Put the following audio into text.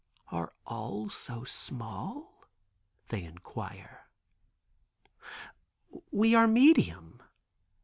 "Are all so small?" they inquire. "We are medium.